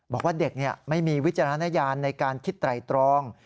บอกว่าเด็กไม่มีวิจารณญาณในการคิดไตรตรอง